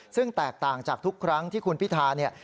ซึ่งแตกต่างจากทุกครั้งที่คุณพิธาเนี่ย